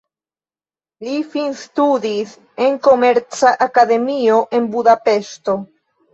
Li finstudis en komerca akademio, en Budapeŝto.